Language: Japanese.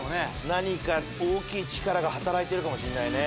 何か大きい力が働いてるかもしんないね。